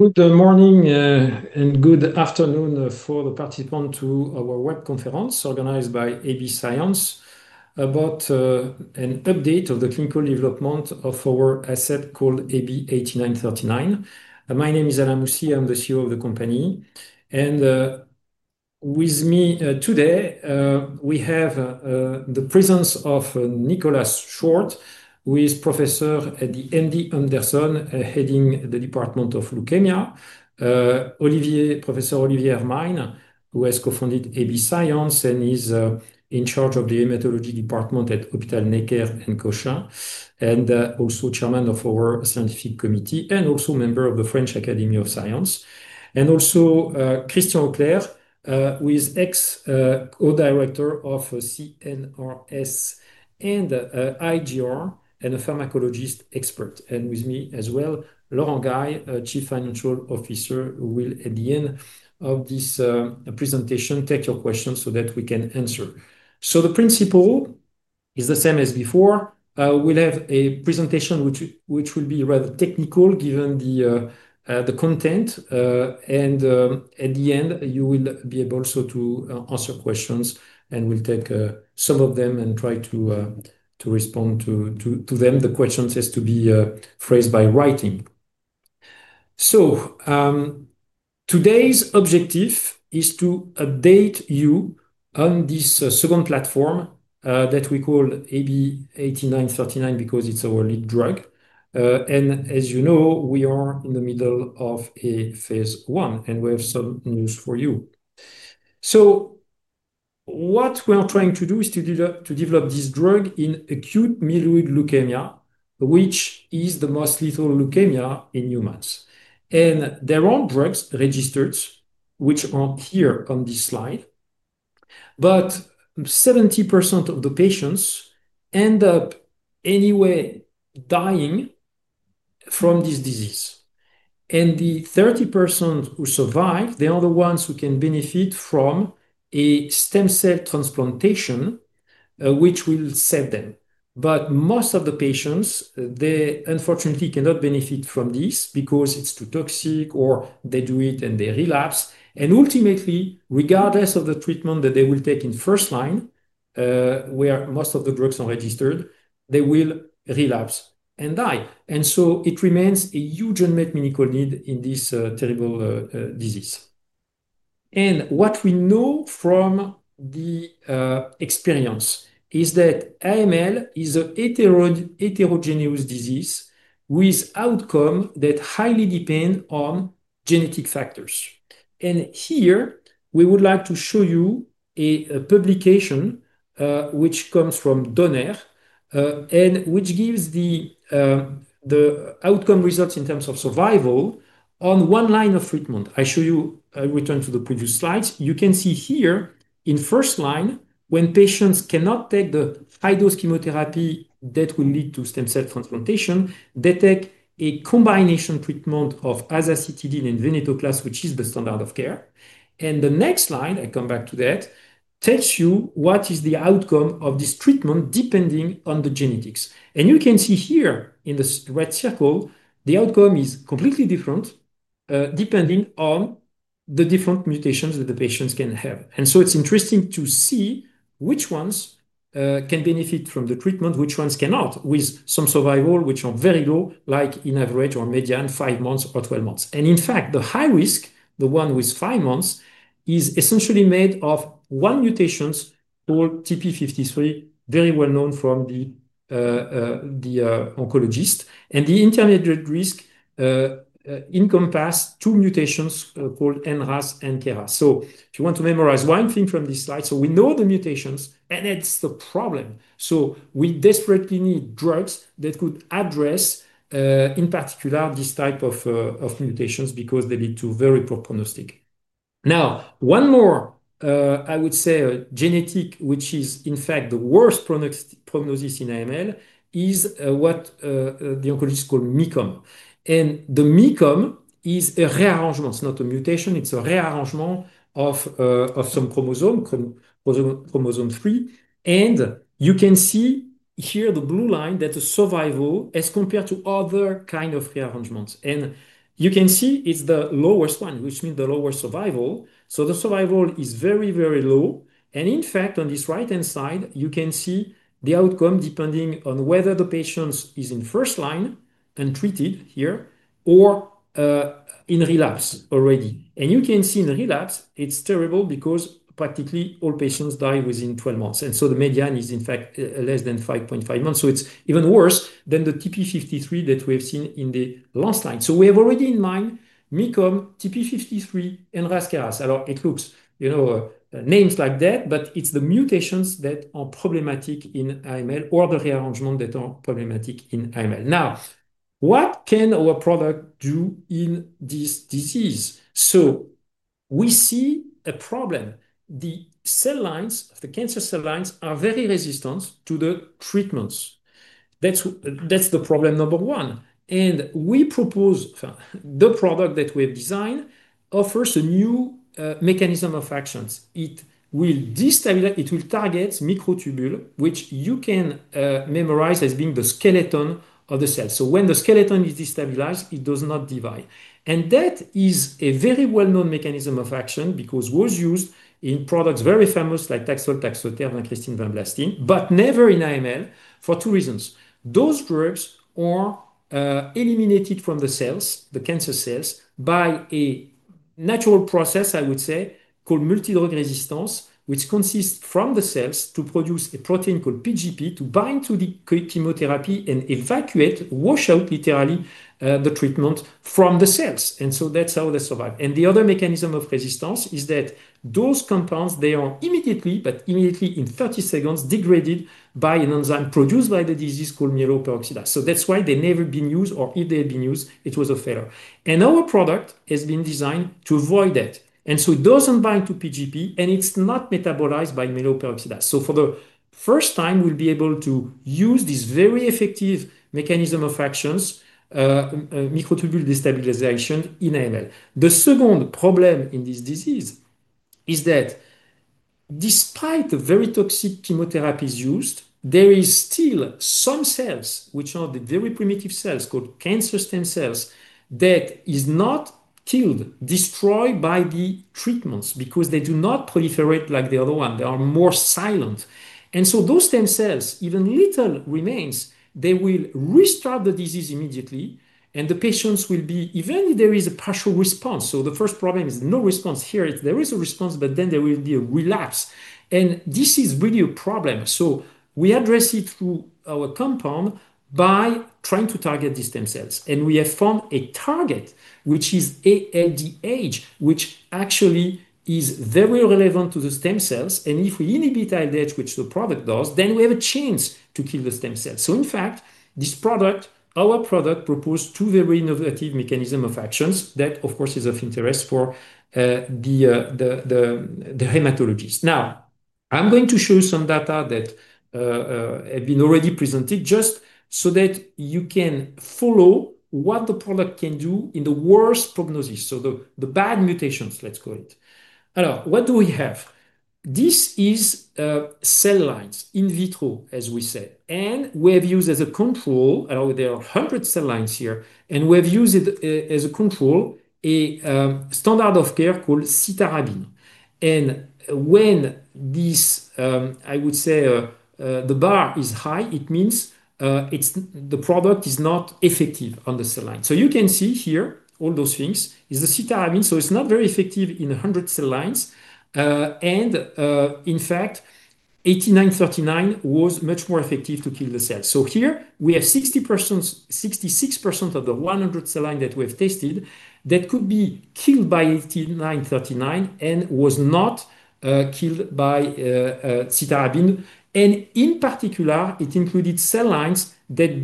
Good morning and good afternoon for the participants to our web conference organized by AB Science about an update of the clinical development of our asset called AB8939. My name is Alain Moussy, I'm the CEO of the company. With me today, we have the presence of Nicolas Short, who is a Professor at the MD Anderson Cancer Center heading the Department of Leukemia, Professor Olivier Hermine, who has co-founded AB Science and is in charge of the Hematology Department at Hôpital Necker and Cochin, and also Chairman of our Scientific Committee and also a member of the French Academy of Sciences. Also, Christian Leclerc, who is an ex-Co-Director of CNRS and IGR and a pharmacologist expert. With me as well, Laurent Guy, Chief Financial Officer, who will at the end of this presentation take your questions so that we can answer. The principle is the same as before. We'll have a presentation which will be rather technical given the content. At the end, you will be able to answer questions and we'll take some of them and try to respond to them. The questions are to be phrased by writing. Today's objective is to update you on this second platform that we call AB8939 because it's our lead drug. As you know, we are in the middle of phase I and we have some news for you. What we are trying to do is to develop this drug in acute myeloid leukemia, which is the most lethal leukemia in humans. There are drugs registered which are here on this slide. 70% of the patients end up anyway dying from this disease. The 30% who survive, they are the ones who can benefit from a stem cell transplantation, which will save them. Most of the patients, they unfortunately cannot benefit from this because it's too toxic or they do it and they relapse. Ultimately, regardless of the treatment that they will take in first line, where most of the drugs are registered, they will relapse and die. It remains a huge and mechanical need in this terrible disease. What we know from the experience is that AML is a heterogeneous disease with outcomes that highly depend on genetic factors. Here we would like to show you a publication which comes from [Donner] and which gives the outcome results in terms of survival on one line of treatment. I show you, I return to the previous slides. You can see here in first line when patients cannot take the high-dose chemotherapy that will lead to stem cell transplantation, they take a combination treatment of azacitidine and venetoclax, which is the standard of care. The next slide, I come back to that, tells you what is the outcome of this treatment depending on the genetics. You can see here in the red circle, the outcome is completely different depending on the different mutations that the patients can have. It's interesting to see which ones can benefit from the treatment, which ones cannot with some survival which are very low, like in average or median five months or 12 months. In fact, the high risk, the one with five months, is essentially made of one mutation called TP53, very well known from the oncologist. The intermediate risk encompasses two mutations called NRAS and KRAS. If you want to memorize one thing from this slide, we know the mutations and that's the problem. We desperately need drugs that could address, in particular, this type of mutations because they lead to very poor prognostic. Now, one more, I would say, genetic which is in fact the worst prognosis in AML is what the oncologists call MECOM. The MECOM is a rearrangement. It's not a mutation, it's a rearrangement of some chromosome, chromosome three. You can see here the blue line that the survival as compared to other kinds of rearrangements. You can see it's the lowest one, which means the lower survival. The survival is very, very low. In fact, on this right-hand side, you can see the outcome depending on whether the patient is in first line untreated here or in relapse already. You can see in relapse, it's terrible because practically all patients die within 12 months. The median is in fact less than 5.5 months. It's even worse than the TP53 that we have seen in the last line. We have already in mind MECOM, TP53, and NRAS KRAS. It looks, you know, names like that, but it's the mutations that are problematic in AML or the rearrangement that are problematic in AML. Now, what can our product do in this disease? We see a problem. The cell lines, the cancer cell lines are very resistant to the treatments. That's the problem number one. We propose the product that we have designed offers a new mechanism of action. It will target microtubules, which you can memorize as being the skeleton of the cell. When the skeleton is destabilized, it does not divide. That is a very well-known mechanism of action because it was used in products very famous like Taxol, Taxotere, vincristine, vinblastine, but never in AML for two reasons. Those drugs are eliminated from the cancer cells by a natural process called multidrug resistance, which consists of the cells producing a protein called PGP to bind to the chemotherapy and evacuate, wash out literally the treatment from the cells. That is how they survive. The other mechanism of resistance is that those compounds are immediately, in 30 seconds, degraded by an enzyme produced by the disease called myeloperoxidase. That is why they never have been used, or if they had been used, it was a failure. Our product has been designed to avoid that. It does not bind to PGP and it is not metabolized by myeloperoxidase. For the first time, we will be able to use this very effective mechanism of action, microtubule destabilization, in AML. The second problem in this disease is that despite the very toxic chemotherapies used, there are still some cells, which are the very primitive cells called cancer stem cells, that are not killed, destroyed by the treatments because they do not proliferate like the other ones. They are more silent. Those stem cells, even if little remains, will restart the disease immediately. The patients will be, even if there is a partial response. The first problem is no response; here, there is a response, but then there will be a relapse. This is really a problem. We address it through our compound by trying to target the stem cells. We have found a target, which is ALDH, which actually is very relevant to the stem cells. If we inhibit ALDH, which the product does, then we have a chance to kill the stem cells. In fact, this product, our product, proposes two very innovative mechanisms of action that, of course, are of interest for the hematologists. Now, I am going to show you some data that have been already presented just so that you can follow what the product can do in the worst prognosis. The bad mutations, let's call it. What do we have? This is cell lines in vitro, as we say. We have used as a control, there are 100 cell lines here, and we have used it as a control, a standard of care called cytarabine. When this, I would say, the bar is high, it means the product is not effective on the cell line. You can see here all those things are the cytarabine. It's not very effective in 100 cell lines. In fact, AB8939 was much more effective to kill the cell. Here we have 66% of the 100 cell lines that we have tested that could be killed by AB8939 and was not killed by cytarabine. In particular, it included cell lines that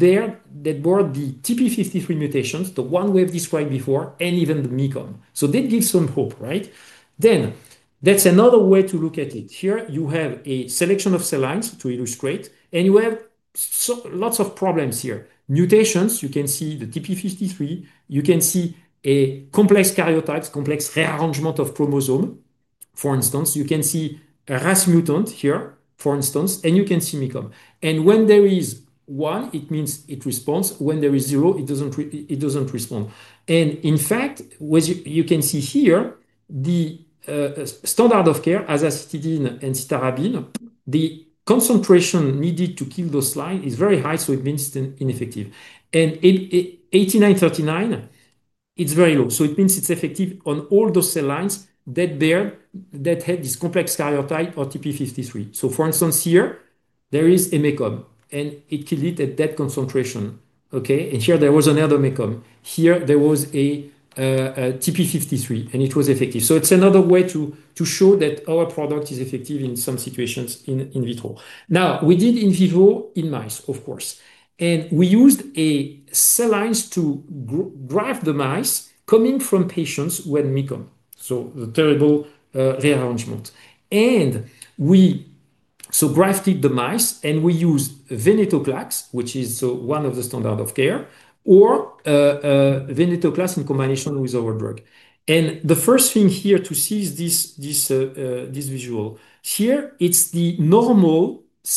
were the TP53 mutations, the one we have described before, and even the MECOM. That gives some hope, right? That's another way to look at it. Here you have a selection of cell lines to illustrate, and you have lots of problems here. Mutations, you can see the TP53, you can see a complex karyotype, complex rearrangement of chromosome, for instance. You can see a RAS mutant here, for instance, and you can see MECOM. When there is one, it means it responds. When there is zero, it doesn't respond. You can see here the standard of care, azacitidine and cytarabine, the concentration needed to kill those lines is very high, so it means it's ineffective. AB8939, it's very low, so it means it's effective on all those cell lines that had this complex karyotype or TP53. For instance, here there is a MECOM, and it killed it at that concentration. Here there was another MECOM. Here there was a TP53, and it was effective. It's another way to show that our product is effective in some situations in vitro. Now, we did in vivo in mice, of course. We used cell lines to graft the mice coming from patients who had MECOM, so the terrible rearrangement. We grafted the mice, and we used venetoclax, which is one of the standards of care, or venetoclax in combination with our drug. The first thing here to see is this visual. Here it's the normal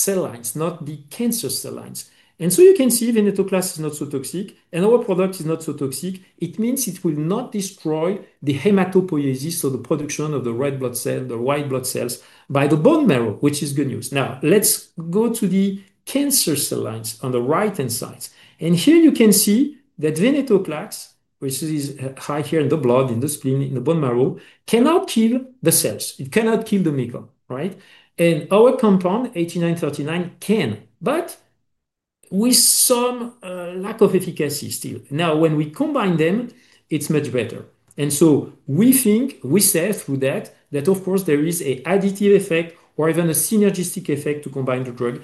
cell lines, not the cancer cell lines. You can see venetoclax is not so toxic, and our product is not so toxic. It means it will not destroy the hematopoiesis, so the production of the red blood cells, the white blood cells, by the bone marrow, which is good news. Now, let's go to the cancer cell lines on the right-hand side. Here you can see that venetoclax, which is high here in the blood, in the spleen, in the bone marrow, cannot kill the cells. It cannot kill the MECOM. Our compound, AB8939, can, but with some lack of efficacy still. When we combine them, it's much better. We think, we say through that, that of course there is an additive effect or even a synergistic effect to combine the drug.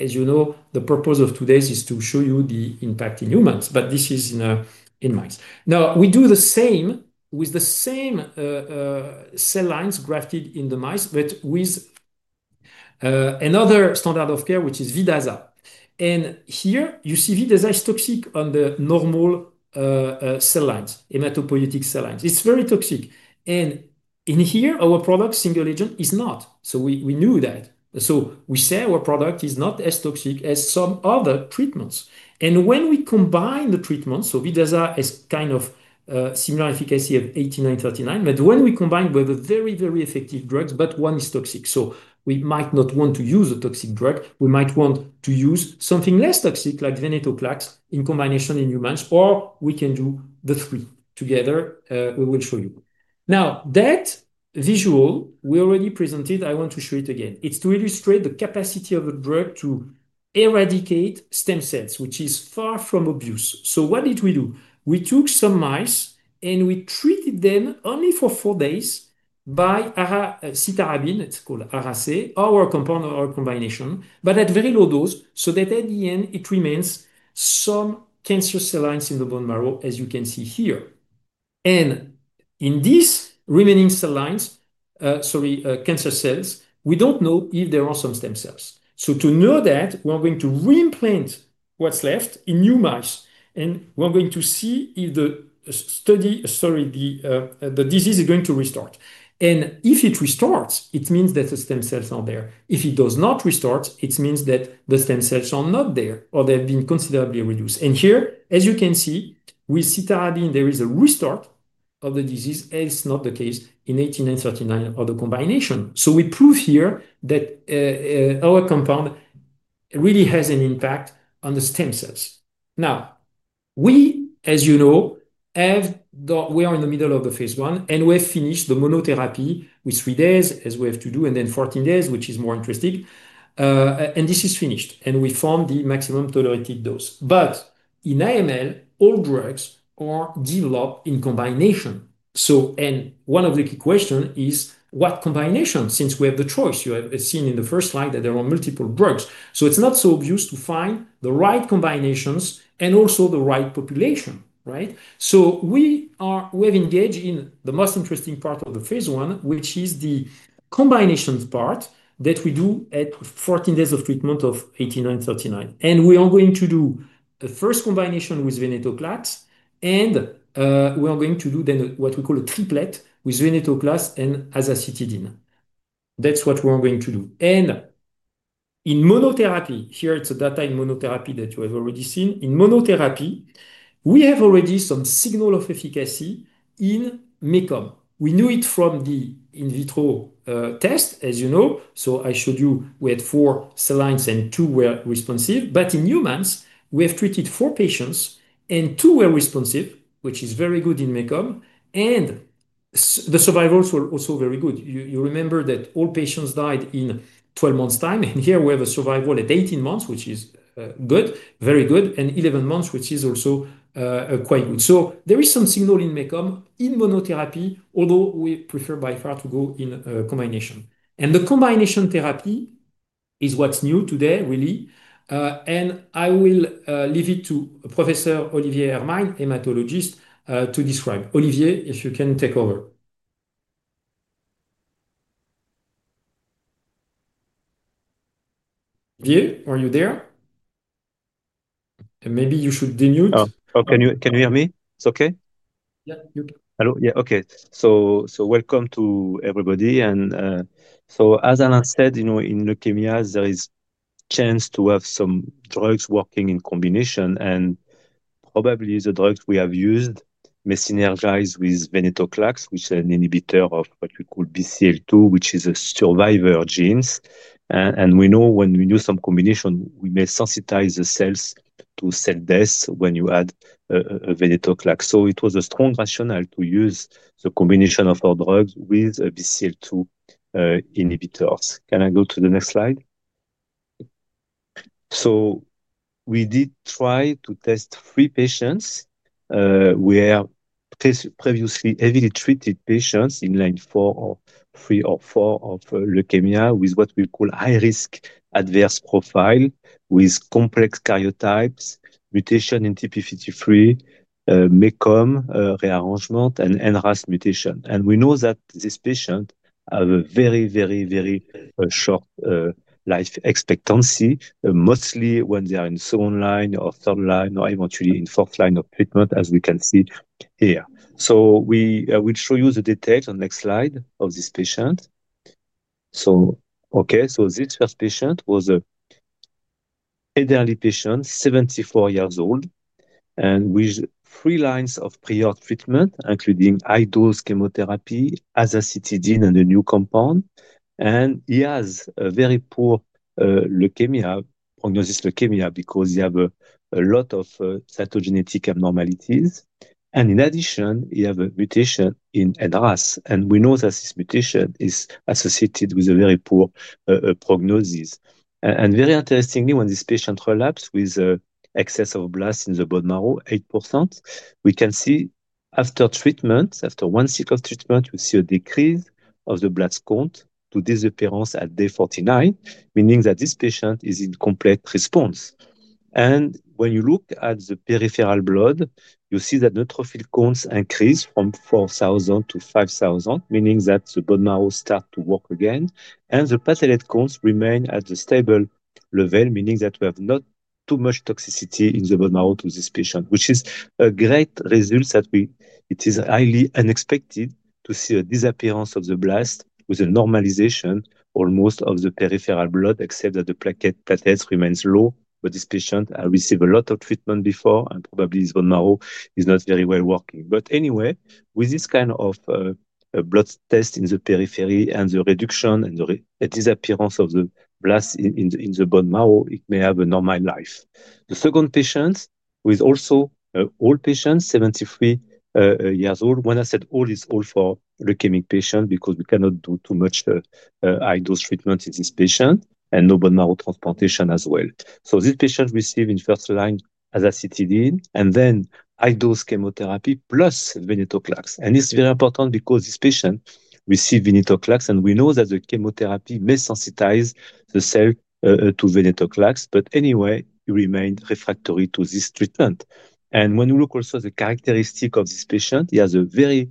As you know, the purpose of today is to show you the impact in humans, but this is in mice. We do the same with the same cell lines grafted in the mice, but with another standard of care, which is azacitidine. Here you see azacitidine is toxic on the normal cell lines, hematopoietic cell lines. It's very toxic. In here, our product, single agent, is not. We knew that. We say our product is not as toxic as some other treatments. When we combine the treatments, azacitidine has kind of a similar efficacy of AB8939, but when we combine with the very, very effective drugs, one is toxic. We might not want to use a toxic drug. We might want to use something less toxic, like venetoclax, in combination in humans, or we can do the three together. We will show you. That visual we already presented, I want to show it again. It's to illustrate the capacity of a drug to eradicate stem cells, which is far from abuse. What did we do? We took some mice and we treated them only for four days by cytarabine, it's called Ara-C, our compound or our combination, but at very low dose, so that at the end it remains some cancer cell lines in the bone marrow, as you can see here. In these remaining cell lines, cancer cells, we don't know if there are some stem cells. To know that, we're going to reimplant what's left in new mice, and we're going to see if the disease is going to restart. If it restarts, it means that the stem cells are there. If it does not restart, it means that the stem cells are not there or they have been considerably reduced. Here, as you can see, with cytarabine, there is a restart of the disease, and it's not the case in AB8939 or the combination. We prove here that our compound really has an impact on the stem cells. As you know, we are in the middle of phase I trial, and we have finished the monotherapy with three days, as we have to do, and then 14 days, which is more interesting. This is finished, and we found the maximum tolerated dose. In AML, all drugs are developed in combination. One of the key questions is what combination, since we have the choice. You have seen in the first slide that there are multiple drugs. It's not so obvious to find the right combinations and also the right population. Right? We have engaged in the most interesting part of the phase I, which is the combination part that we do at 14 days of treatment of AB8939. We are going to do a first combination with venetoclax, and we are going to do then what we call a triplet with venetoclax and azacitidine. That's what we're going to do. In monotherapy, here it's data in monotherapy that you have already seen. In monotherapy, we have already some signal of efficacy in MECOM. We knew it from the in vitro test, as you know. I showed you we had four cell lines and two were responsive. In humans, we have treated four patients and two were responsive, which is very good in MECOM. The survivals were also very good. You remember that all patients died in 12 months' time, and here we have a survival at 18 months, which is good, very good, and 11 months, which is also quite good. There is some signal in MECOM in monotherapy, although we prefer by far to go in combination. The combination therapy is what's new today, really. I will leave it to Professor Olivier Hermine, Hematologist, to describe. Olivier, if you can take over. Olivier, are you there? Maybe you should denude. Can you hear me? It's okay? Yeah. Hello, yeah, okay. Welcome to everybody. As Alain said, you know, in leukemia, there is a chance to have some drugs working in combination. Probably the drugs we have used may synergize with venetoclax, which is an inhibitor of what we call BCL2, which is a survivor gene. We know when we use some combination, we may sensitize the cells to cell death when you add a venetoclax. It was a strong rationale to use the combination of our drugs with BCL2 inhibitors. Can I go to the next slide? We did try to test three patients who were previously heavily treated patients in line three or four of leukemia with what we call high-risk adverse profile with complex karyotypes, mutation in TP53, MECOM rearrangement, and NRAS mutation. We know that these patients have a very, very, very short life expectancy, mostly when they are in the second line or third line or eventually in the fourth line of treatment, as we can see here. We will show you the details on the next slide of this patient. This first patient was an elderly patient, 74 years old, with three lines of prior treatment, including high-dose chemotherapy, azacitidine, and a new compound. He has a very poor prognosis leukemia because he has a lot of cytogenetic abnormalities. In addition, he has a mutation in NRAS. We know that this mutation is associated with a very poor prognosis. Very interestingly, when this patient relapsed with excess of blasts in the bone marrow, 8%, we can see after treatment, after one cycle of treatment, we see a decrease of the blast count to disappearance at day 49, meaning that this patient is in complete response. When you look at the peripheral blood, you see that neutrophil counts increase from 4,000 to 5,000, meaning that the bone marrow starts to work again. The platelet counts remain at a stable level, meaning that we have not too much toxicity in the bone marrow to this patient, which is a great result. It is highly unexpected to see a disappearance of the blasts with a normalization almost of the peripheral blood, except that the platelets remain low. This patient received a lot of treatment before and probably his bone marrow is not very well working. Anyway, with this kind of blood test in the periphery and the reduction and the disappearance of the blasts in the bone marrow, it may have a normal life. The second patient was also an old patient, 73 years old. When I said old, it's old for leukemic patients because we cannot do too much high-dose treatment in this patient and no bone marrow transplantation as well. This patient received in first line azacitidine and then high-dose chemotherapy plus venetoclax. It's very important because this patient received venetoclax and we know that the chemotherapy may sensitize the cell to venetoclax. Anyway, it remained refractory to this treatment. When you look also at the characteristics of this patient, he has a very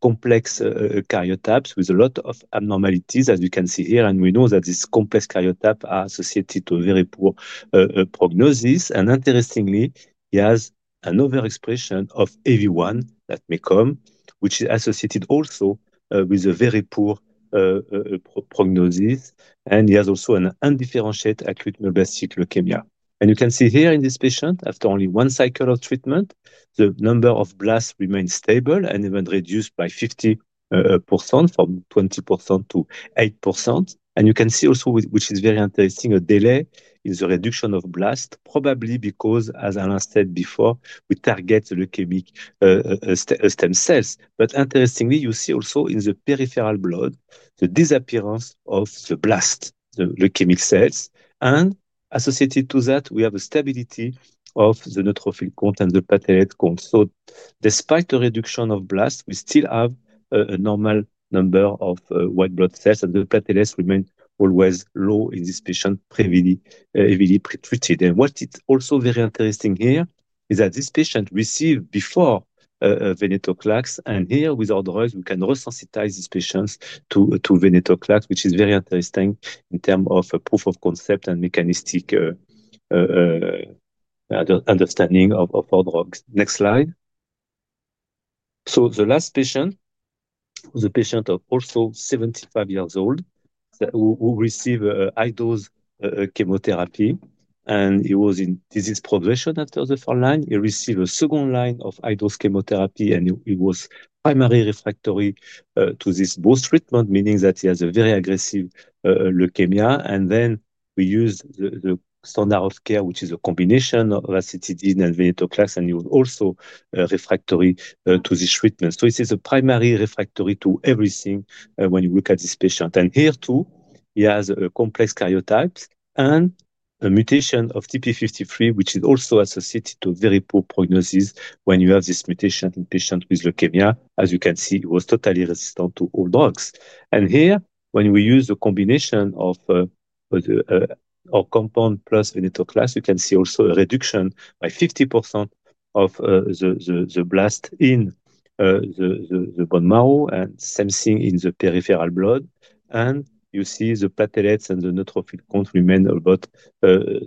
complex karyotype with a lot of abnormalities, as we can see here. We know that these complex karyotypes are associated with a very poor prognosis. Interestingly, he has an overexpression of [EVI1 at MECOM], which is associated also with a very poor prognosis. He has also an undifferentiated acute myeloblastic leukemia. You can see here in this patient, after only one cycle of treatment, the number of blasts remains stable and even reduced by 50% from 20% to 8%. You can see also, which is very interesting, a delay in the reduction of blasts, probably because, as Alain said before, we target the leukemic stem cells. Interestingly, you see also in the peripheral blood the disappearance of the blasts, the leukemic cells. Associated to that, we have a stability of the neutrophil count and the platelet count. Despite the reduction of blasts, we still have a normal number of white blood cells and the platelets remain always low in this patient heavily treated. What is also very interesting here is that this patient received before venetoclax. Here, with our drugs, we can resensitize these patients to venetoclax, which is very interesting in terms of proof of concept and mechanistic understanding of our drugs. Next slide. The last patient was a patient of also 75 years old who received high-dose chemotherapy. He was in disease progression after the first line. He received a second line of high-dose chemotherapy and he was primary refractory to this both treatment, meaning that he has a very aggressive leukemia. We used the standard of care, which is a combination of azacitidine and venetoclax, and he was also refractory to this treatment. It is a primary refractory to everything when you look at this patient. Here too, he has complex karyotypes and a mutation of TP53, which is also associated to a very poor prognosis when you have this mutation in patients with leukemia. As you can see, he was totally resistant to all drugs. Here, when we use a combination of our compound plus venetoclax, you can see also a reduction by 50% of the blasts in the bone marrow and the same thing in the peripheral blood. You see the platelets and the neutrophil count remain about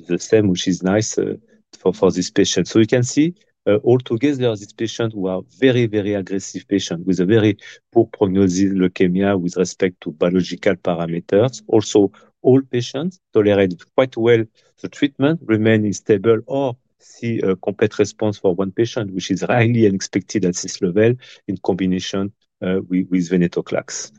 the same, which is nice for this patient. Altogether, these patients are very, very aggressive patients with a very poor prognosis leukemia with respect to biological parameters. All patients tolerated quite well the treatment, remaining stable or see a complete response for one patient, which is highly unexpected at this level in combination with venetoclax.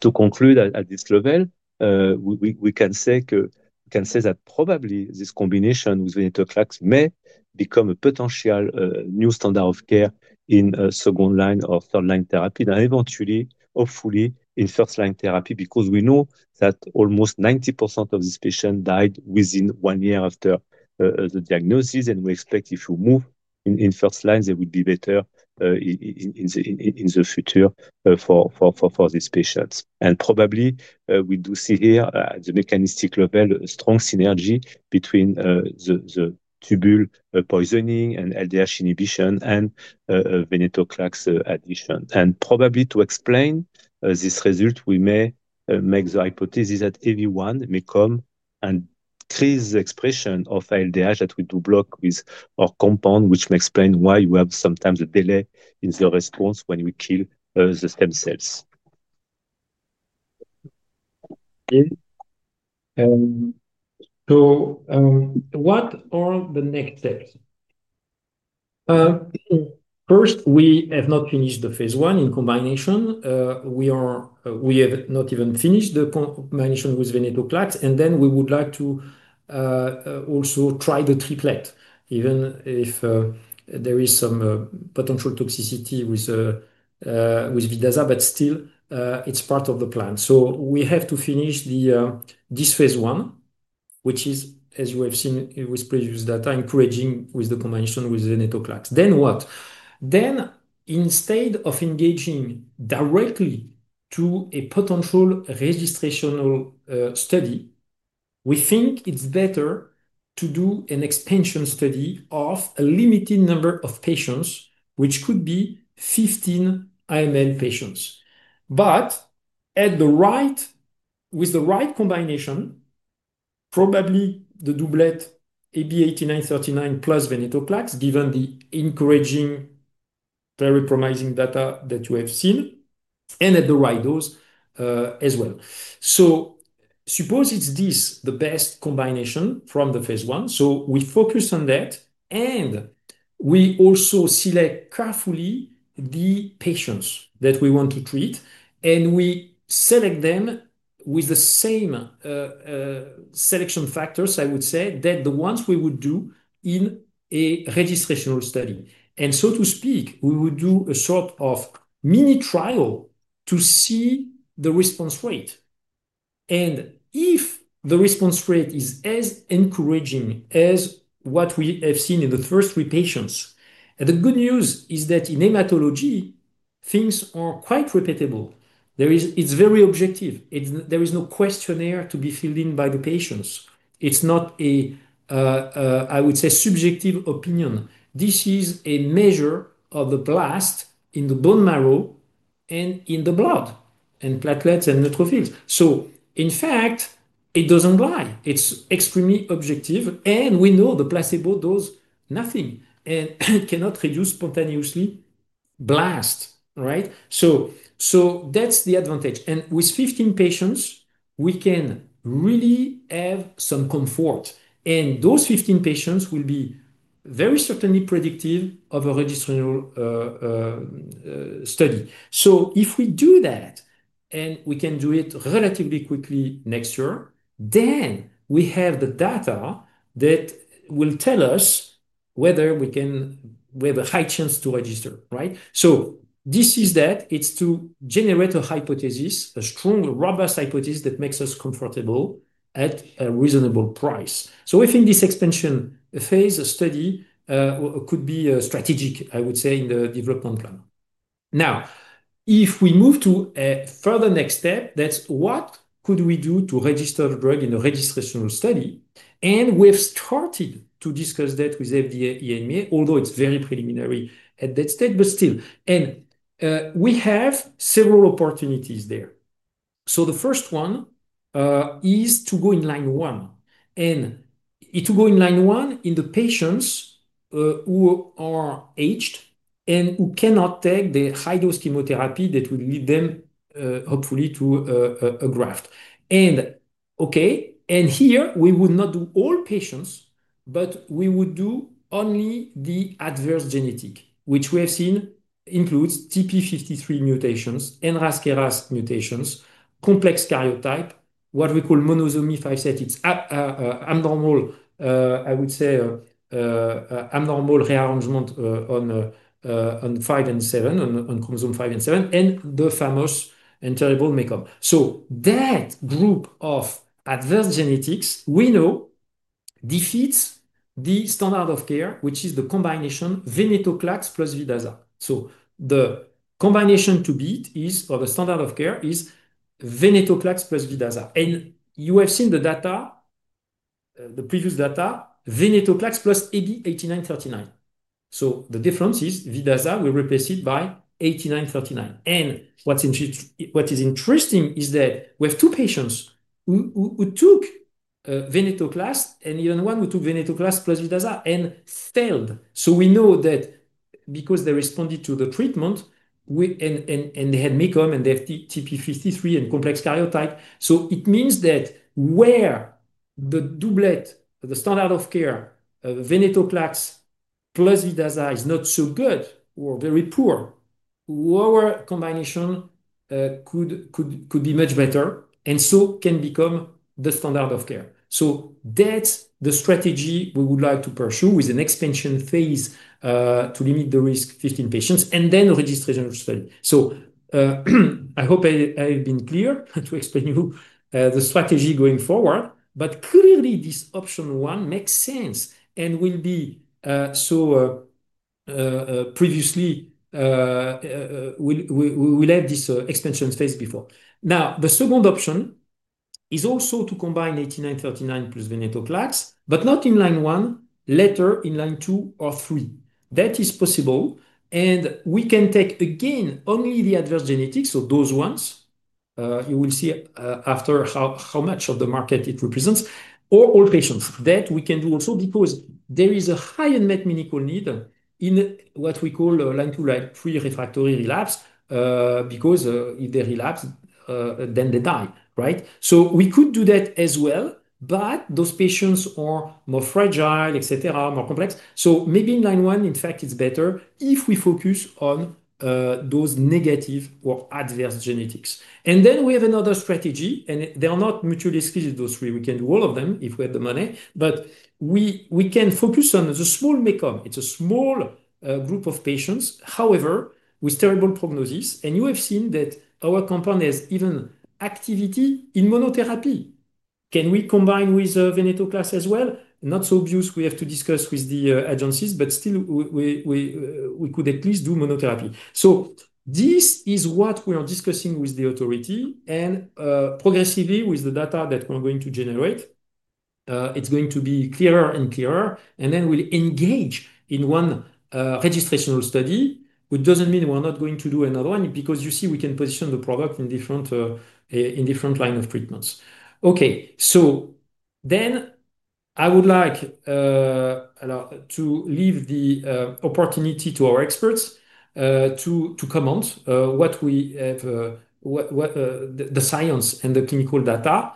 To conclude, at this level, we can say that probably this combination with venetoclax may become a potential new standard of care in second line or third line therapy. Eventually, hopefully, in first line therapy, because we know that almost 90% of these patients died within one year after the diagnosis. We expect if you move in first line, they would be better in the future for these patients. Probably we do see here at the mechanistic level a strong synergy between the tubule poisoning and ALDH inhibition and venetoclax addition. Probably to explain this result, we may make the hypothesis that [EVI1 MECOM] and increase the expression of ALDH that we do block with our compound, which may explain why you have sometimes a delay in the response when we kill the stem cells. What are the next steps? First, we have not finished the phase I in combination. We have not even finished the combination with venetoclax. We would like to also try the triplet, even if there is some potential toxicity with azacitidine, but still it's part of the plan. We have to finish this phase I, which is, as you have seen with previous data, encouraging with the combination with venetoclax. What next? Instead of engaging directly to a potential registrational study, we think it's better to do an expansion study of a limited number of patients, which could be 15 AML patients. With the right combination, probably the doublet AB8939 plus venetoclax, given the encouraging, very promising data that you have seen, and at the right dose as well. Suppose this is the best combination from the phase I. We focus on that. We also select carefully the patients that we want to treat. We select them with the same selection factors, I would say, as the ones we would do in a registrational study. We would do a sort of mini trial to see the response rate. If the response rate is as encouraging as what we have seen in the first three patients, the good news is that in hematology, things are quite reputable. It's very objective. There is no questionnaire to be filled in by the patients. It's not a subjective opinion. This is a measure of the blasts in the bone marrow and in the blood and platelets and neutrophils. In fact, it doesn't lie. It's extremely objective. We know the placebo does nothing and cannot reduce spontaneously blasts. That's the advantage. With 15 patients, we can really have some comfort. Those 15 patients will be very certainly predictive of a registrational study. If we do that, and we can do it relatively quickly next year, we have the data that will tell us whether we have a high chance to register. This is to generate a hypothesis, a strong, robust hypothesis that makes us comfortable at a reasonable price. I think this expansion phase, a study, could be strategic, I would say, in the development plan. If we move to a further next step, what could we do to register the drug in a registrational study? We have started to discuss that with FDA and EMA, although it's very preliminary at that stage, but still. We have several opportunities there. The first one is to go in line one. To go in line one in the patients who are aged and who cannot take the high-dose chemotherapy that would lead them, hopefully, to a graft. Here we would not do all patients, but we would do only the adverse genetic, which we have seen includes TP53 mutations, NRAS KRAS mutations, complex karyotype, what we call Monosomy [5 7]. It's abnormal, I would say, abnormal rearrangement on 5 and 7, on Chromosome 5 and 7, and the famous and terrible MECOM. That group of adverse genetics we know defeats the standard of care, which is the combination venetoclax plus vidaza. The combination to beat is, or the standard of care is, venetoclax plus vidaza. You have seen the data, the previous data, venetoclax plus AB8939. The difference is vidaza will be replaced by AB8939. What is interesting is that we have two patients who took venetoclax and even one who took venetoclax plus vidaza and failed. We know that because they responded to the treatment and they had MECOM and they have TP53 and complex karyotype. It means that where the doublet, the standard of care, venetoclax plus vidaza is not so good or very poor, our combination could be much better and can become the standard of care. That is the strategy we would like to pursue with an expansion phase to limit the risk of 15 patients and then a registration study. I hope I have been clear to explain to you the strategy going forward. Clearly, this option one makes sense and will be so previously we will have this expansion phase before. The second option is also to combine AB8939 plus venetoclax, but not in line one, later in line two or three. That is possible. We can take again only the adverse genetics, so those ones you will see after how much of the market it represents, or all patients. That we can do also because there is a high unmet clinical need in what we call line two, line three refractory relapse because if they relapse, then they die. Right? We could do that as well, but those patients are more fragile, more complex. Maybe in line one, in fact, it's better if we focus on those negative or adverse genetics. We have another strategy, and they are not mutually exclusive, those three. We can do all of them if we have the money, but we can focus on the small MECOM. It's a small group of patients, however, with terrible prognoses. You have seen that our compound has even activity in monotherapy. Can we combine with venetoclax as well? Not so obvious. We have to discuss with the agencies, but still we could at least do monotherapy. This is what we are discussing with the authority. Progressively, with the data that we're going to generate, it's going to be clearer and clearer. We'll engage in one registrational study, which doesn't mean we're not going to do another one because you see we can position the product in different lines of treatments. I would like to leave the opportunity to our experts to comment on what we have, the science and the clinical data.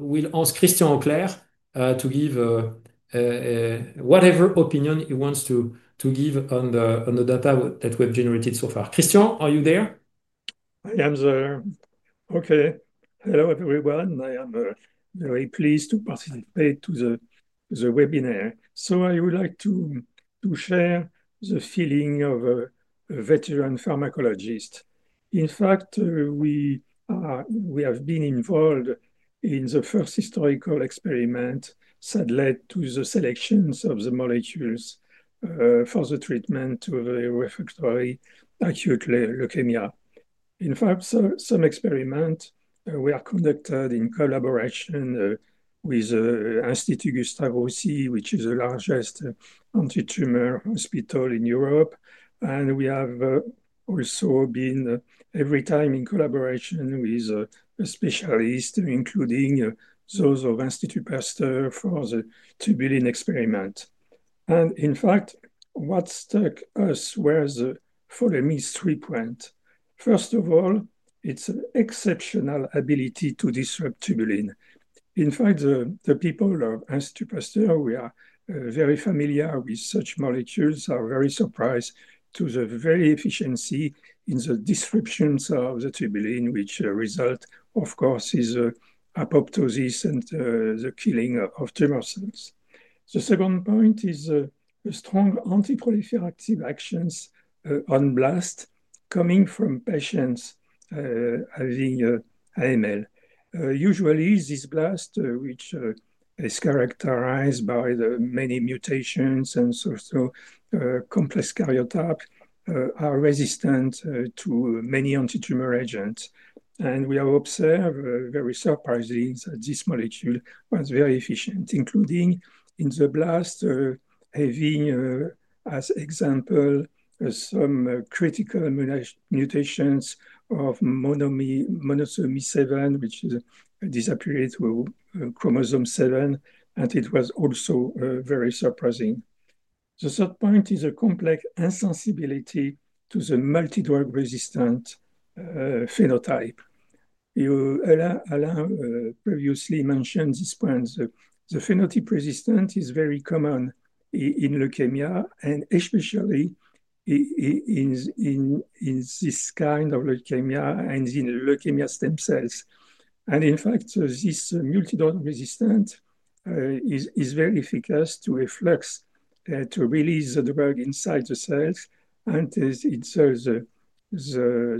We'll ask Christian Auclair to give whatever opinion he wants to give on the data that we have generated so far. Christian, are you there? I am there. Okay. Hello everyone. I am very pleased to participate in the webinar. I would like to share the feeling of a veteran pharmacologist. In fact, we have been involved in the first historical experiment that led to the selections of the molecules for the treatment of a refractory acute leukemia. Some experiments were conducted in collaboration with the Institut Gustave Roussy, which is the largest anti-tumor hospital in Europe. We have also been every time in collaboration with a specialist, including those of Institut Pasteur for the tubulin experiment. What struck us was the following three points. First of all, it's an exceptional ability to disrupt tubulin. The people of Institut Pasteur, who are very familiar with such molecules, are very surprised by the very efficiency in the disruptions of the tubulin, which result, of course, in apoptosis and the killing of tumor cells. The second point is the strong anti-proliferative actions on blasts coming from patients having AML. Usually, these blasts, which are characterized by the many mutations and also complex karyotypes, are resistant to many anti-tumor agents. We have observed very surprisingly that this molecule was very efficient, including in the blasts having, as an example, some critical mutations of Monosomy 7, which is disappearance of Chromosome 7. It was also very surprising. The third point is a complex insensibility to the multidrug resistant phenotype. Alain previously mentioned this point. The phenotype resistance is very common in leukemia, especially in this kind of leukemia and in leukemia stem cells. This multidrug resistance is very efficace to efflux, to release the drug inside the cells. It's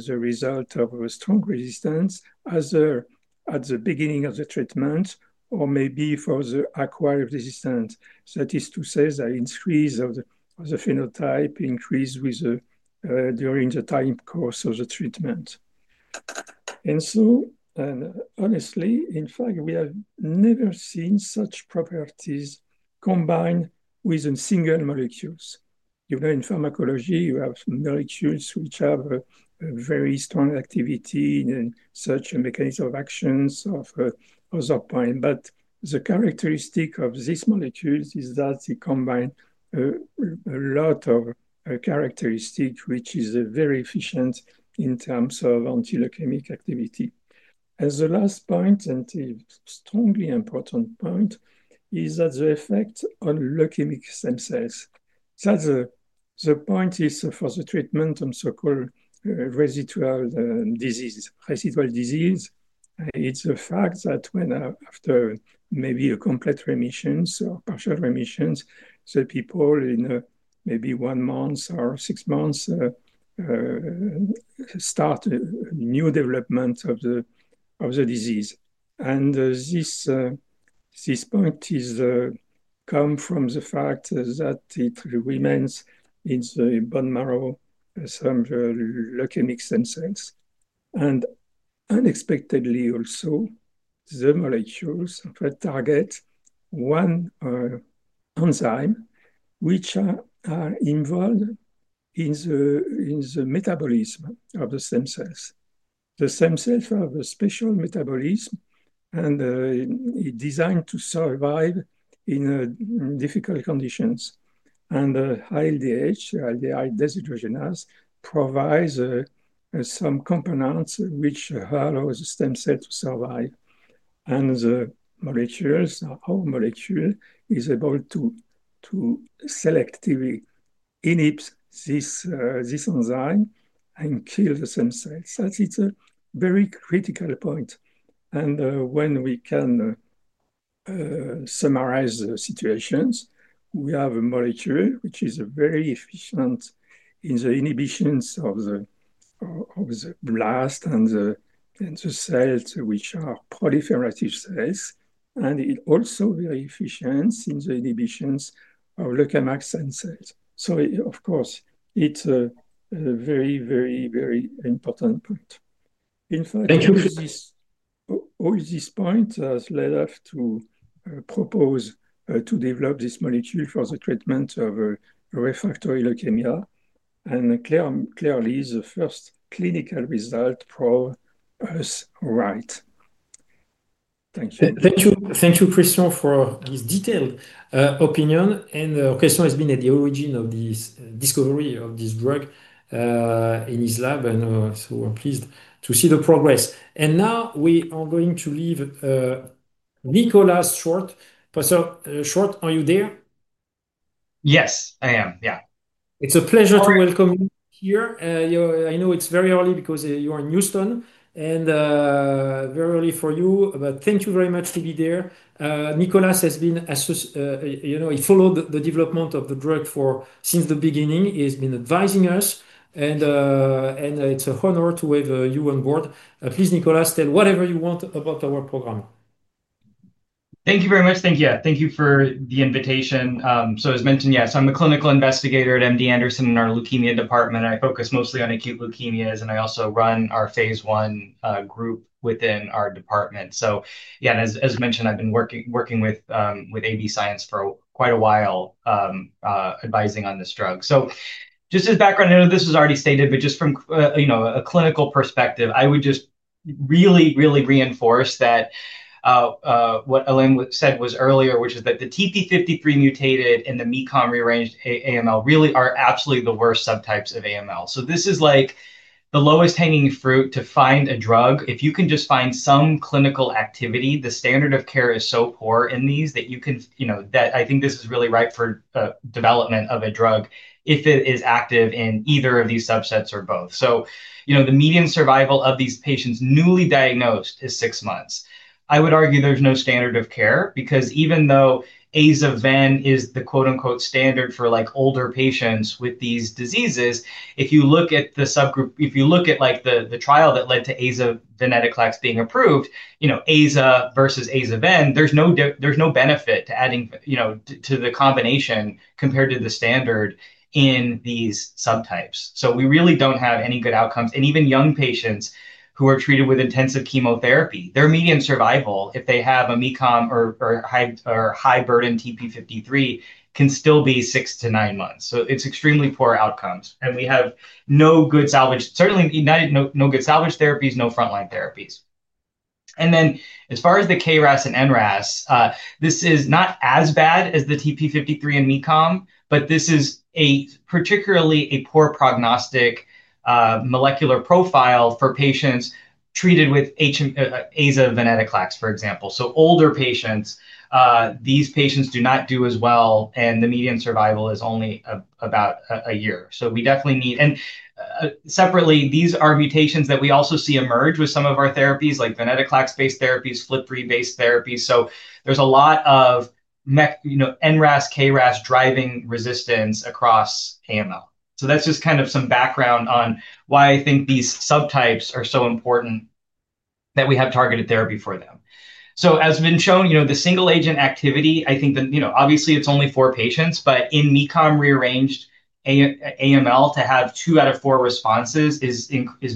the result of a strong resistance either at the beginning of the treatment or maybe for the acquired resistance. That is to say the increase of the phenotype increases during the time course of the treatment. Honestly, we have never seen such properties combined with single molecules. You know, in pharmacology, you have molecules which have a very strong activity in such a mechanism of actions of [noscapine]. The characteristic of these molecules is that they combine a lot of characteristics, which is very efficient in terms of anti-leukemic activity. The last point, and a strongly important point, is that the effect on leukemic stem cells. The point is for the treatment of so-called residual disease. Residual disease, it's a fact that when after maybe a complete remission or partial remission, the people in maybe one month or six months start a new development of the disease. This point comes from the fact that it remains in the bone marrow, some leukemic stem cells. Unexpectedly, also, the molecules target one enzyme which is involved in the metabolism of the stem cells. The stem cells have a special metabolism, and it's designed to survive in difficult conditions. The high LDH, LDH dehydrogenase, provides some components which allow the stem cell to survive. The molecules, our molecule, is able to selectively inhibit this enzyme and kill the stem cells. That is a very critical point. When we can summarize the situations, we have a molecule which is very efficient in the inhibitions of the blast and the cells which are proliferative cells. It's also very efficient in the inhibitions of leukemic stem cells. Of course, it's a very, very, very important point. Thank you. All this point has led us to propose to develop this molecule for the treatment of a refractory leukemia. Clearly, the first clinical result proves us right. Thank you. Thank you, Christian, for this detailed opinion. Our question has been at the origin of this discovery of this drug in his lab. We're pleased to see the progress. Now we are going to leave, Nicolas Short. Professor Short, are you there? Yes, I am. Yeah. It's a pleasure to welcome you here. I know it's very early because you're in Houston and very early for you. Thank you very much to be there. Nicolas has been, you know, he followed the development of the drug since the beginning. He has been advising us. It's a honor to have you on board. Please, Nicolas, tell whatever you want about our program. Thank you very much. Thank you. Yeah, thank you for the invitation. As mentioned, yeah, I'm a Clinical Investigator at MD Anderson in our Leukemia Department. I focus mostly on acute leukemias, and I also run our phase I group within our department. As mentioned, I've been working with AB Science for quite a while, advising on this drug. Just as background, I know this was already stated, but just from a clinical perspective, I would really, really reinforce what Alain said earlier, which is that the TP53 mutated and the MECOM rearranged AML really are absolutely the worst subtypes of AML. This is like the lowest hanging fruit to find a drug. If you can just find some clinical activity, the standard of care is so poor in these that you can, you know, that I think this is really ripe for development of a drug if it is active in either of these subsets or both. The median survival of these patients newly diagnosed is six months. I would argue there's no standard of care because even though AZA-VEN is the quote unquote standard for older patients with these diseases, if you look at the subgroup, if you look at the trial that led to azacitidine venetoclax being approved, AZA versus AZA-VEN, there's no benefit to adding to the combination compared to the standard in these subtypes. We really don't have any good outcomes. Even young patients who are treated with intensive chemotherapy, their median survival, if they have a MECOM or high-burden TP53, can still be six to nine months. It's extremely poor outcomes. We have no good salvage, certainly no good salvage therapies, no frontline therapies. As far as the KRAS and NRAS, this is not as bad as the TP53 and MECOM, but this is particularly a poor prognostic molecular profile for patients treated with AZA-venetoclax, for example. Older patients, these patients do not do as well, and the median survival is only about a year. We definitely need, and separately, these are mutations that we also see emerge with some of our therapies, like venetoclax-based therapies, FLT3-based therapies. There's a lot of NRAS, KRAS driving resistance across AML. That's just some background on why I think these subtypes are so important that we have targeted therapy for them. As has been shown, the single agent activity, I think that obviously it's only four patients, but in MECOM rearranged AML to have two out of four responses is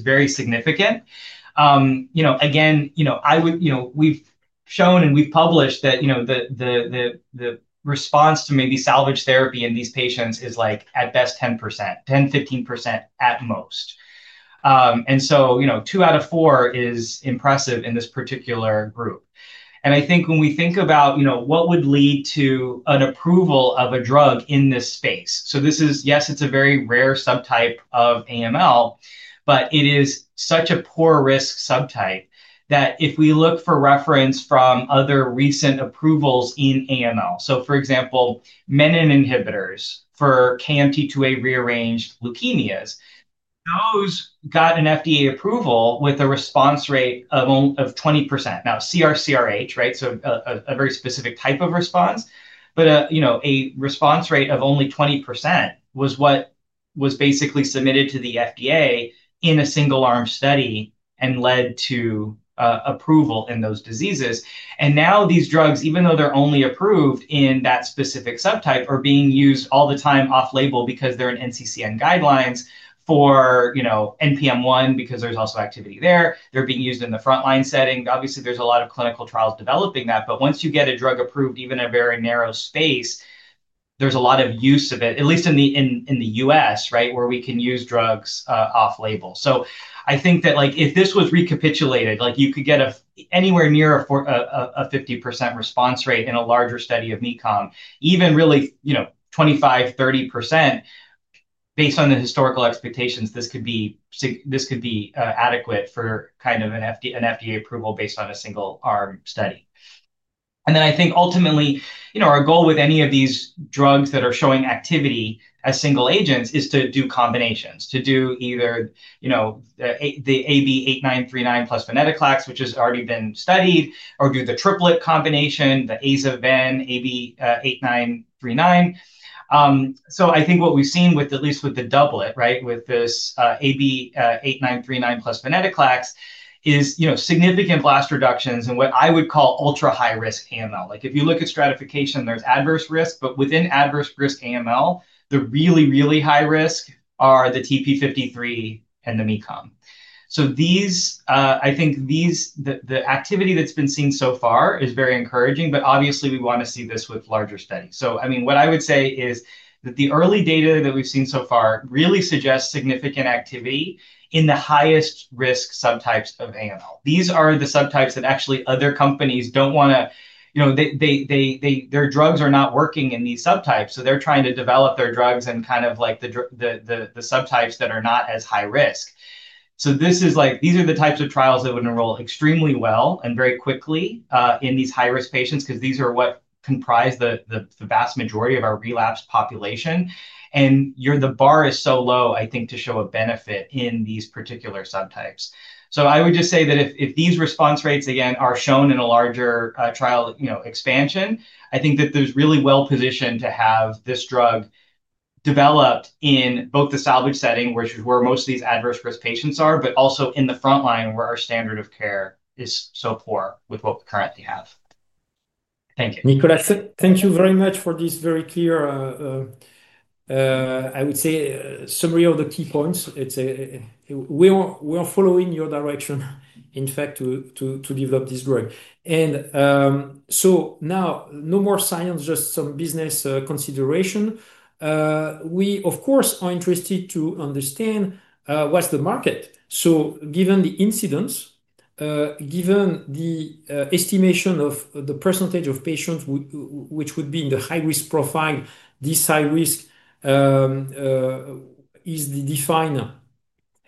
very significant. Again, I would, we've shown and we've published that the response to maybe salvage therapy in these patients is like at best 10%. 10%, 15% at most. Two out of four is impressive in this particular group. I think when we think about what would lead to an approval of a drug in this space, this is, yes, it's a very rare subtype of AML, but it is such a poor risk subtype that if we look for reference from other recent approvals in AML, for example, menin inhibitors for KMT2A rearranged leukemias, those got an FDA approval with a response rate of 20%. Now, [CR, CRh], right? A very specific type of response, but a response rate of only 20% was what was basically submitted to the FDA in a single arm study and led to approval in those diseases. Now these drugs, even though they're only approved in that specific subtype, are being used all the time off-label because they're in NCCN guidelines for NPM-1 because there's also activity there. They're being used in the frontline setting. Obviously, there's a lot of clinical trials developing that, but once you get a drug approved, even in a very narrow space, there's a lot of use of it, at least in the U.S., where we can use drugs off-label. I think that if this was recapitulated, like you could get anywhere near a 50% response rate in a larger study of MECOM, even really 25%, 30% based on the historical expectations, this could be adequate for kind of an FDA approval based on a single arm study. I think ultimately our goal with any of these drugs that are showing activity as single agents is to do combinations, to do either the AB8939 plus venetoclax, which has already been studied, or do the triplet combination, the AZA-VEN, AB8939. I think what we've seen at least with the doublet, with this AB8939 plus venetoclax is significant blast reductions in what I would call ultra high-risk AML. If you look at stratification, there's adverse risk, but within adverse risk AML, the really, really high risk are the TP53 and the MECOM. I think the activity that's been seen so far is very encouraging, but obviously we want to see this with larger studies. What I would say is that the early data that we've seen so far really suggests significant activity in the highest risk subtypes of acute myeloid leukemia (AML). These are the subtypes that actually other companies don't want to, you know, their drugs are not working in these subtypes. They're trying to develop their drugs in the subtypes that are not as high risk. These are the types of trials that would enroll extremely well and very quickly in these high-risk patients because these are what comprise the vast majority of our relapsed population. The bar is so low, I think, to show a benefit in these particular subtypes. I would just say that if these response rates, again, are shown in a larger trial, expansion, I think that there's really well positioned to have this drug developed in both the salvage setting, which is where most of these adverse risk patients are, but also in the frontline where our standard of care is so poor with what we currently have. Thank you. Nicolas, thank you very much for this very clear, I would say, summary of the key points. We are following your direction, in fact, to develop this drug. Now, no more science, just some business consideration. We, of course, are interested to understand what's the market. Given the incidence, given the estimation of the percentage of patients which would be in the high-risk profile, this high-risk is defined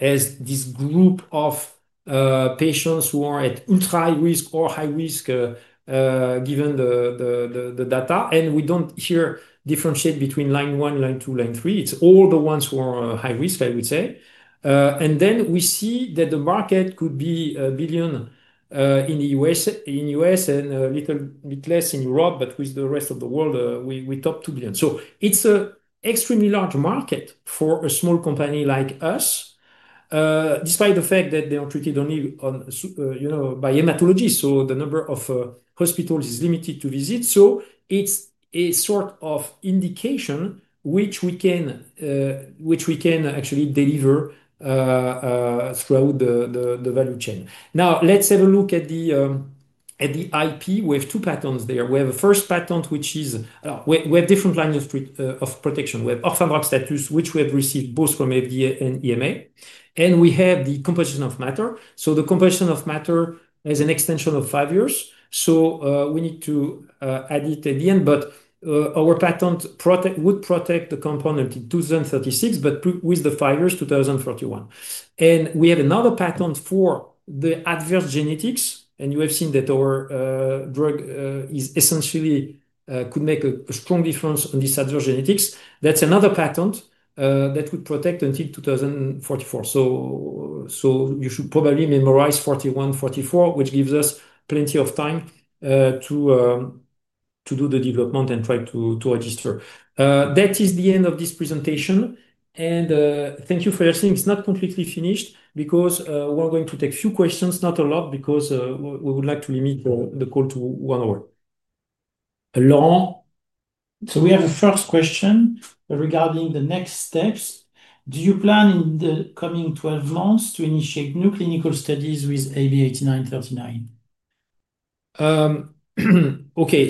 as this group of patients who are at ultra high risk or high risk, given the data. We don't here differentiate between line one, line two, line three. It's all the ones who are high risk, I would say. We see that the market could be $1 billion in the U.S. and a little bit less in Europe, but with the rest of the world, we top $2 billion. It's an extremely large market for a small company like us, despite the fact that they are treated only, you know, by hematology. The number of hospitals is limited to visit. It's a sort of indication which we can actually deliver throughout the value chain. Now, let's have a look at the IP. We have two patents there. We have a first patent, which is we have different lines of protection. We have orphan drug status, which we have received both from FDA and EMA. We have the composition of matter. The composition of matter has an extension of five years. We need to add it at the end. Our patent would protect the component in 2036, but with the five years, 2041. We have another patent for the adverse genetics. You have seen that our drug could make a strong difference on these adverse genetics. That's another patent that would protect until 2044. You should probably memorize 41, 44, which gives us plenty of time to do the development and try to register. That is the end of this presentation. Thank you for listening. It's not completely finished because we're going to take a few questions, not a lot, because we would like to limit the call to one hour. Laurent. We have a first question regarding the next steps. Do you plan in the coming 12 months to initiate new clinical studies with AB8939? Okay,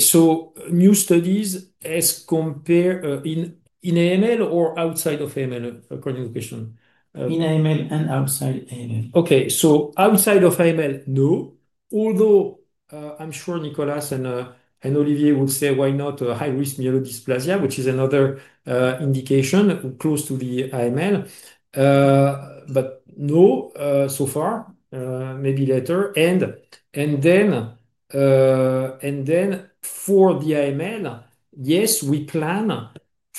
new studies as compared in AML or outside of AML, according to the question? In AML and outside AML. Okay, so outside of AML, no. Although I'm sure Nicolas and Olivier will say why not high-risk myelodysplasia, which is another indication close to the AML. No, so far. Maybe later. For the AML, yes, we plan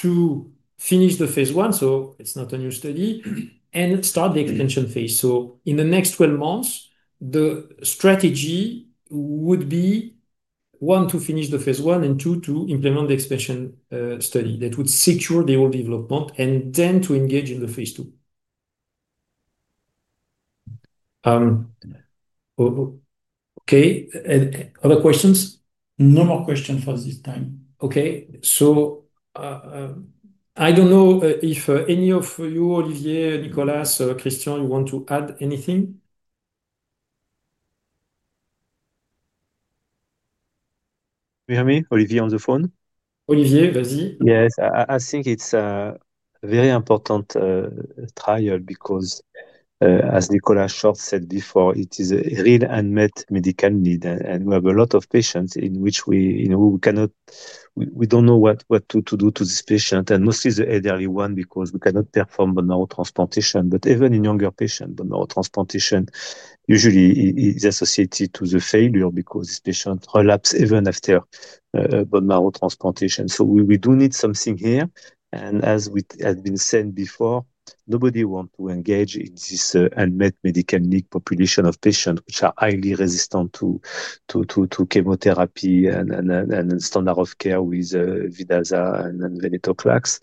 to finish the phase I, so it's not a new study, and start the extension phase. In the next 12 months, the strategy would be one, to finish the phase I, and two, to implement the expansion study that would secure the whole development, and then to engage in the phase II. Okay, any other questions? No more questions for this time. Okay, I don't know if any of you, Olivier, Nicolas, Christian, you want to add anything? Can you hear me, Olivier, on the phone? Olivier, vas-y. Yes, I think it's a very important trial because, as Nicolas Short said before, it is a real unmet medical need. We have a lot of patients in which we, you know, we cannot, we don't know what to do to this patient. Mostly the elderly one because we cannot perform bone marrow transplantation. Even in younger patients, bone marrow transplantation usually is associated to the failure because this patient relapses even after bone marrow transplantation. We do need something here. As we have been saying before, nobody wants to engage in this unmet medical need population of patients which are highly resistant to chemotherapy and standard of care with AZA and venetoclax.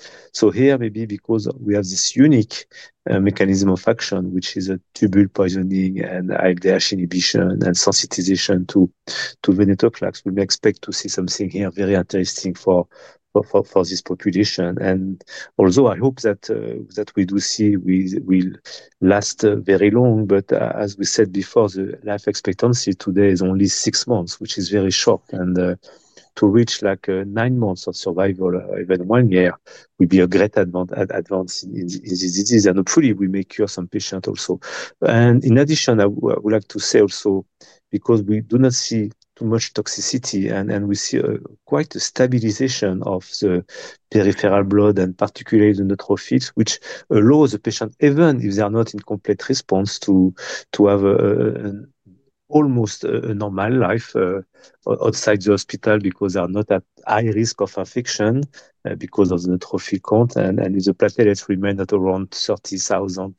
Here, maybe because we have this unique mechanism of action, which is a tubule poisoning and ALDH inhibition and sensitization to venetoclax, we may expect to see something here very interesting for this population. Although I hope that we do see will last very long, as we said before, the life expectancy today is only six months, which is very short. To reach like nine months of survival, or even one year, would be a great advance in this disease. Hopefully, we may cure some patients also. In addition, I would like to say also, because we do not see too much toxicity, and we see quite a stabilization of the peripheral blood and particularly the neutrophils, which allows the patient, even if they are not in complete response, to have almost a normal life outside the hospital because they are not at high risk of infection because of the neutrophil count. If the platelets remain at around 30,000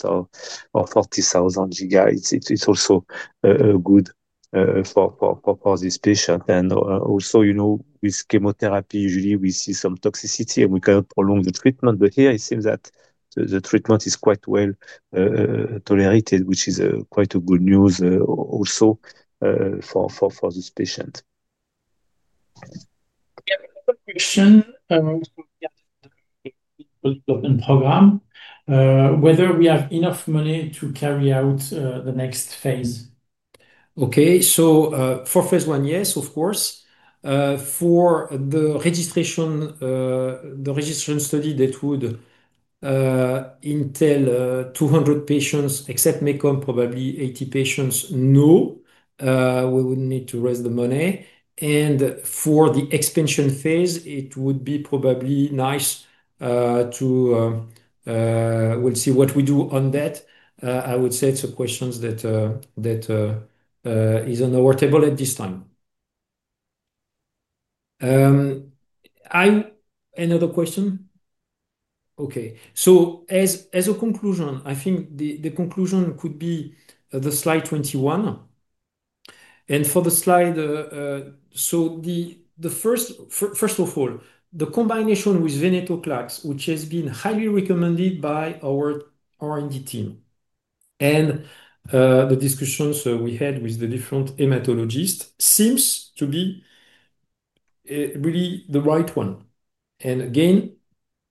or 40,000, it's also good for this patient. Also, you know, with chemotherapy, usually we see some toxicity and we cannot prolong the treatment. Here it seems that the treatment is quite well tolerated, which is quite good news also for this patient. We have a question in the program, whether we have enough money to carry out the next phase. Okay, so for phase I, yes, of course. For the registrational study, that would entail 200 patients, except MECOM, probably 80 patients, no, we would need to raise the money. For the expansion phase, it would be probably nice to, we'll see what we do on that. I would say it's a question that is on our table at this time. Another question? Okay, as a conclusion, I think the conclusion could be the slide 21. For the slide, first of all, the combination with venetoclax, which has been highly recommended by our R&D team and the discussions we had with the different hematologists, seems to be really the right one.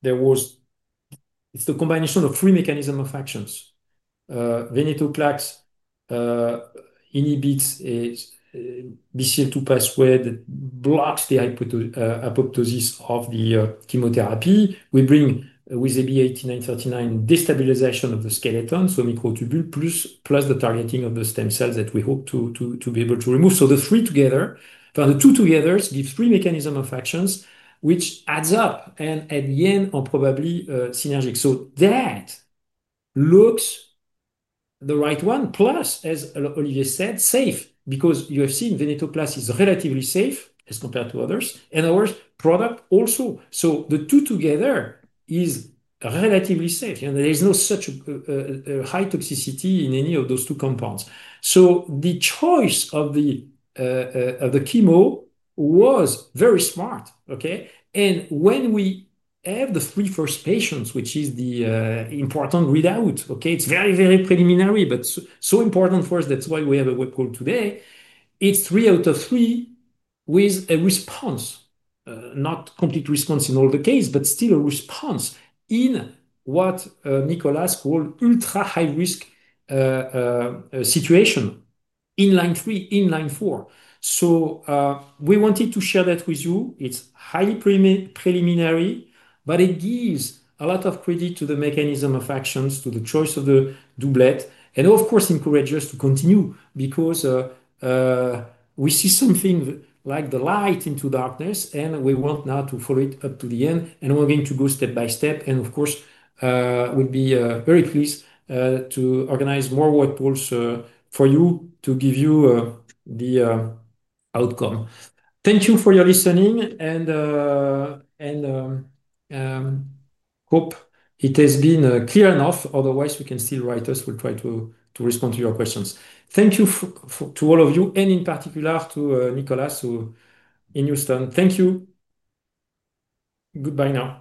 There was, it's the combination of three mechanisms of actions. Venetoclax inhibits a BCL2 pathway that blocks the apoptosis of the chemotherapy. We bring with AB8939 destabilization of the skeleton, so microtubule, plus the targeting of the stem cells that we hope to be able to remove. The three together, the two together give three mechanisms of actions, which add up and at the end are probably synergic. That looks the right one, plus, as Olivier said, safe, because you have seen venetoclax is relatively safe as compared to others, and our product also. The two together are relatively safe. There is no such high toxicity in any of those two compounds. The choice of the chemo was very smart. When we have the three first patients, which is the important readout, it's very, very preliminary, but so important for us, that's why we have a web call today. It's three out of three with a response, not complete response in all the cases, but still a response in what Nicolas calls ultra high-risk situation in line three, in line four. We wanted to share that with you. It's highly preliminary, but it gives a lot of credit to the mechanism of actions, to the choice of the doublette, and of course, encourages us to continue because we see something like the light into darkness, and we want now to follow it up to the end. We're going to go step by step. Of course, we'll be very pleased to organize more web calls for you to give you the outcome. Thank you for your listening, and hope it has been clear enough. Otherwise, you can still write us. We'll try to respond to your questions. Thank you to all of you, and in particular to Nicolas, who in Houston. Thank you. Goodbye now.